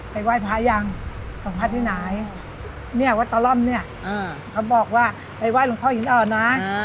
ไปไหว้พระยังตรงภาพที่ไหนเนี่ยว่าตลอดเนี่ยเขาบอกว่าไปไหว้ลูกพ่ออีกแล้วนะ